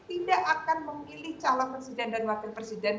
tidak akan memilih calon presiden dan wakil presiden